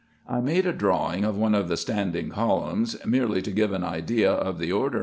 I made a drawing of one of the standing columns, merely to give an idea of the order, &c.